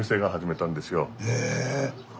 へえ。